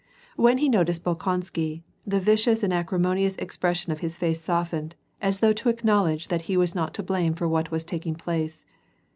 \^en he noticed Bolkonsky, the vicious and acrimon ious expression of his face softened, as though to acknowledge that he was not to blame for what was taking place.